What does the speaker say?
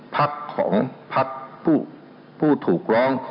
พักของพักผู้ถูกร้อง